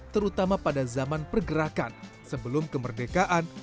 terutama pada zaman pergerakan sebelum kemerdekaan